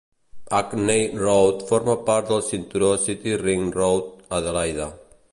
Hackney Road forma part del cinturó City Ring Route, Adelaida.